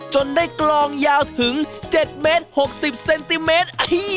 จนได้กลองยาวถึง๗เมตร๖๐เซนติเมตร